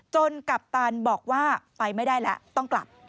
กัปตันบอกว่าไปไม่ได้แล้วต้องกลับ